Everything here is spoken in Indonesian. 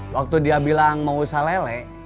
waktu dia bilang mau usaha lele